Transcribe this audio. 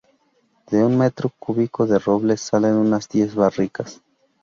De un metro cúbico de roble salen unas diez barricas.